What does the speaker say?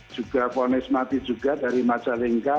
juga ponis mati juga dari majalengka